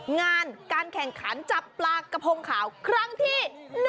งานการแข่งขันจับปลากระพงขาวครั้งที่๑